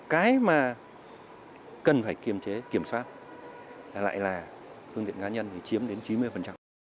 cái mà cần phải kiểm soát lại là phương tiện cá nhân thì chiếm đến chín mươi